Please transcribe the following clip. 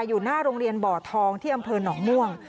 อยู่หน้าโรงเรียนบ่อทองที่อำเภอหนองม่วง